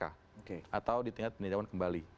atau di tingkat peninjauan kembali